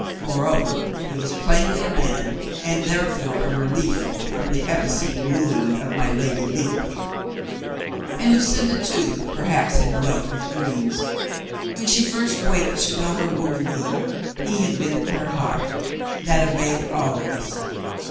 Moreover, he was plainly a man, and therefore a. relief from the epicene wooing of my Lady Lepe, And Lucinda, too, perhaps, had dwelt with dreams. When she first waked to know her womanhood he had been in her heart. That availed always.